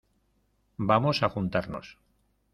vamos a juntarnos.